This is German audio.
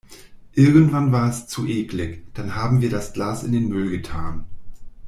Irgendwann war es zu eklig, dann haben wir das Glas in den Müll getan.